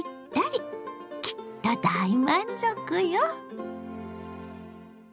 きっと大満足よ。